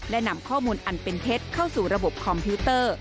และนำข้อมูลอันเป็นเท็จเข้าสู่ระบบคอมพิวเตอร์